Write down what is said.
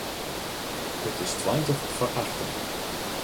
It is tweintich foar achten.